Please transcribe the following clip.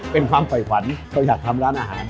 เป็นความฝ่ายฝันเราอยากทำร้านอาหาร